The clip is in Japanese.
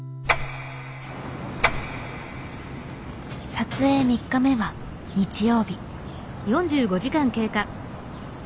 撮影３日目は日曜日。